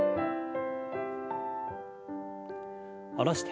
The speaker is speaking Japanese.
下ろして。